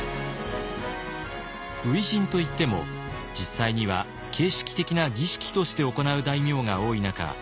初陣といっても実際には形式的な儀式として行う大名が多い中